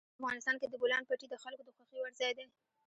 افغانستان کې د بولان پټي د خلکو د خوښې وړ ځای دی.